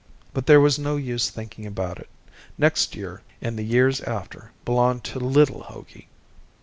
But there was no use thinking about it. Next year and the years after belonged to little Hogey.